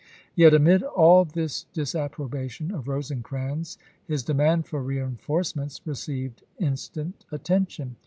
Yet amid all this disapprobation of Rosecrans his demand for reenforcements received instant attention.